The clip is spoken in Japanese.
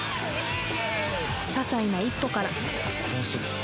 ささいな一歩から